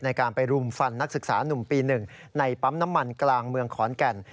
ในการไปรุมฟันนักศึกษานุ่มปี๑ในปั๊มน้ำมันกลางเมืองขอนแก่น